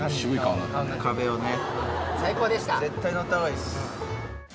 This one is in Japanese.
壁をね。